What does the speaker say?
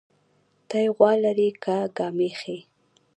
تى غوا لرى كه ګامېښې؟